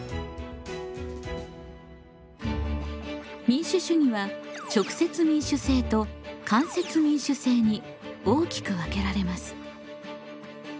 民主主義は直接民主制と間接民主制に大きく分けられます。